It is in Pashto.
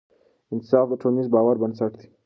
انصاف د ټولنیز باور بنسټ دی